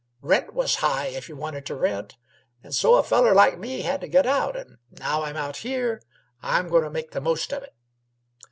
Rent was high, if you wanted t' rent, an' so a feller like me had t' get out, an' now I'm out here, I'm goin' t' make the most of it.